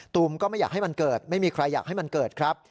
ก็ไม่อยากให้มันเกิดไม่มีใครอยากให้มันเกิดครับ